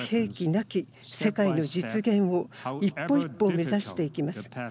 なき世界の実現を一歩一歩目指していきます。